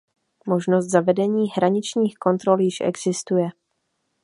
Možnost zavedení hraničních kontrol již existuje.